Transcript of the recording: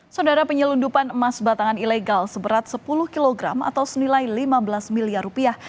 saudara penyelundupan emas batangan ilegal seberat sepuluh kg atau senilai lima belas miliar rupiah